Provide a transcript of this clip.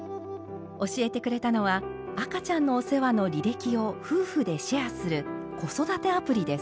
教えてくれたのは赤ちゃんのお世話の履歴を夫婦でシェアする子育てアプリです。